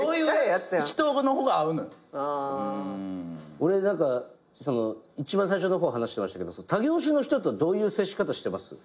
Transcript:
俺一番最初の方話してましたけど他業種の人とどういう接し方してます？